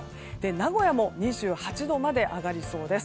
名古屋も２８度まで上がりそうです。